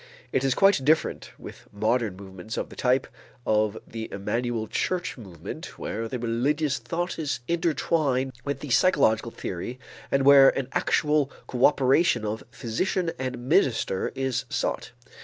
It is quite different with modern movements of the type of the Emmanuel Church Movement, where the religious thought is intertwined with the psychological theory and where an actual coöperation of physician and minister is sought.